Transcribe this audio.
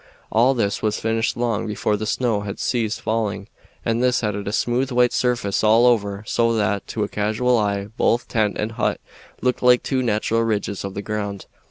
All this was finished long before the snow had ceased falling, and this added a smooth white surface all over, so that, to a casual eye, both tent and hut looked like two natural ridges of the ground.